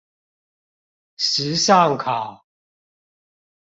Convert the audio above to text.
時尚考